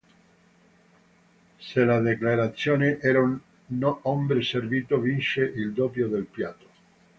Se la dichiarazione era un "hombre servito" vince il doppio del piatto.